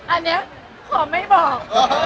อันนี้ขอไม่บอก